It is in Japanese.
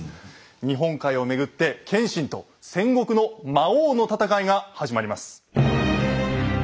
日本海をめぐって謙信と戦国の魔王の戦いが始まります。